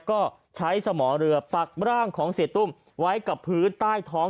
ก็ใช้สมอเรือปักร่างของเสียตุ้มไว้กับพื้นใต้ท้อง